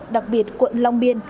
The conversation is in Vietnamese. đặc biệt quận long biên